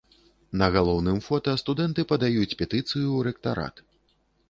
На галоўным фота студэнты падаюць петыцыю ў рэктарат.